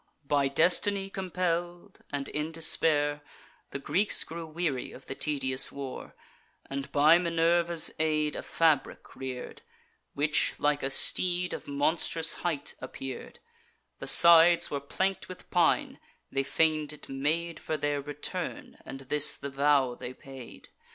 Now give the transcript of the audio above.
"By destiny compell'd, and in despair, The Greeks grew weary of the tedious war, And by Minerva's aid a fabric rear'd, Which like a steed of monstrous height appear'd: The sides were plank'd with pine; they feign'd it made For their return, and this the vow they paid.